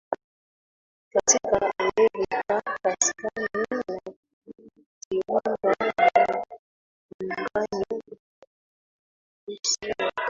katika Amerika Kaskazini na kujiunga Muungano yangeruhusiwa